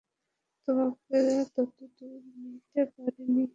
তোমাকে অতদূর নিতে পারিনি আমি।